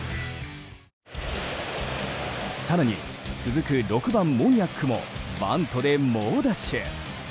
更に続く６番、モニアックもバントで猛ダッシュ。